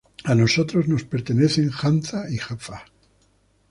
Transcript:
A nosotros nos pertenecen Hamza y Jafar.